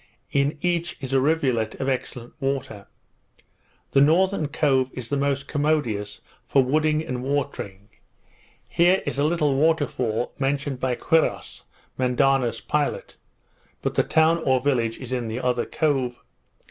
In each is a rivulet of excellent water. The northern cove is the most commodious for wooding and watering. Here is the little water fall mentioned by Quiros, Mendana's pilot; but the town, or village, is in the other cove.